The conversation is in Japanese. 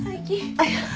あっいや。